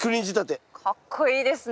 かっこいいですね。